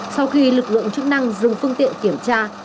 sau khi lực lượng chức năng dừng phương tiện kiểm tra